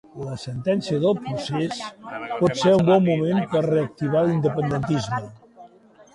La sentència pel procés pot ser un bon moment per reactivar l'independentisme